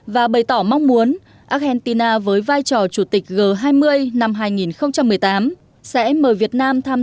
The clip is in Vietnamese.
và bày tỏ mong muốn argentina với vai trò chủ tịch g hai mươi năm hai nghìn một mươi chín